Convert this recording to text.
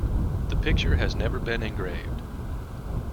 The picture has never been engraved.